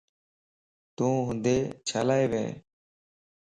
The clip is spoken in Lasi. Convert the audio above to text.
تون ھودي چھيلا ويئي؟